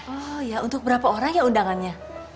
oh ya untuk berapa orang ya undangannya